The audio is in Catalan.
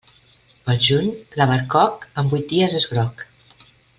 Pel juny, l'albercoc, en vuit dies és groc.